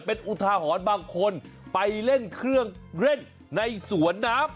เป็นอุทาหรณ์บางคนไปเล่นเครื่องเล่นในสวนน้ำ